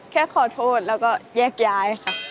แค่ขอโทษแล้วก็แยกย้ายค่ะ